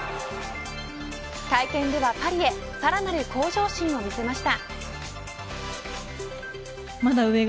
会見ではパリへさらなる向上心を見せました。